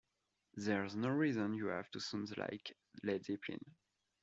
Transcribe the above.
There's no reason you have to sound like Led Zeppelin.